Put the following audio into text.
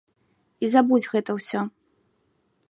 І забудзь гэта ўсё.